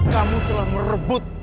kamu telah merebut